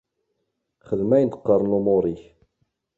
Xeddmeɣ ayen i d-qqaren lumuṛ-ik.